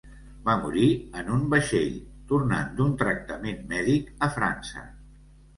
Va morir en un vaixell tornant d'un tractament mèdic a França.